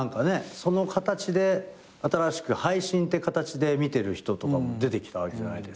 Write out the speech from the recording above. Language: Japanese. その形で新しく配信って形で見てる人とかも出てきたわけじゃないですか。